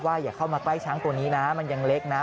อย่าเข้ามาใกล้ช้างตัวนี้นะมันยังเล็กนะ